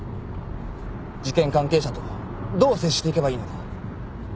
事件関係者とどう接していけばいいのか。